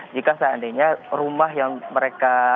jika seandainya rumah yang mereka